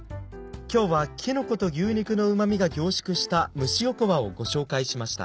今日はきのこと牛肉のうま味が凝縮した蒸しおこわをご紹介しました。